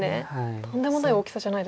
とんでもない大きさじゃないですか？